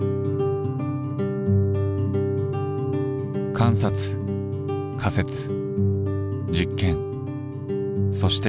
観察仮説実験そして考察。